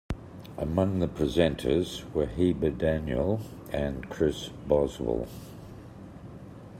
Among the presenters were Hiba Daniel and Kris Boswell.